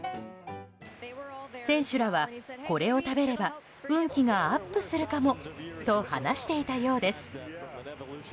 選手らは、これを食べれば運気がアップするかもと話していたようです。